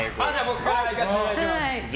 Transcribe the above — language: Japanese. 僕から行かせていただきます。